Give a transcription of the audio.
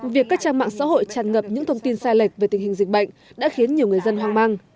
việc các trang mạng xã hội tràn ngập những thông tin sai lệch về tình hình dịch bệnh đã khiến nhiều người dân hoang mang